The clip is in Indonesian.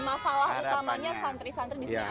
masalah utamanya santri santri di sini apa sih